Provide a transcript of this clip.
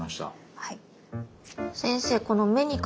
はい。